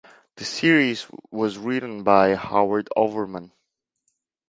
The series was written by Howard Overman.